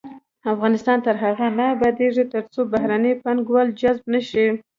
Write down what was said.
افغانستان تر هغو نه ابادیږي، ترڅو بهرني پانګوال جذب نشي.